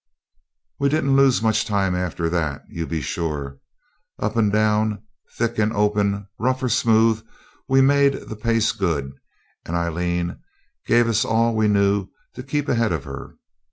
We didn't lose much time after that, you be sure. Up and down, thick and open, rough or smooth, we made the pace good, and Aileen gave us all we knew to keep ahead of her.